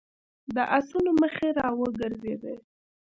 د آسونو مخې را وګرځېدې.